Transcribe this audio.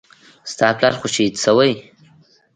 ستا پلار خو شهيد سوى.